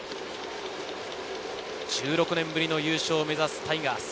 １６年ぶりの優勝を目指すタイガース。